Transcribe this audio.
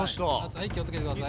はい気をつけて下さい。